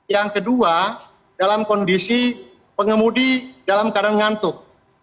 yang kedua dalam kondisi pengemudi dalam keadaan ngantuk